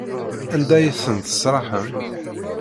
Anda ay tent-tesraḥem?